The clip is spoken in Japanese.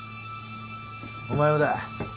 お前もだ。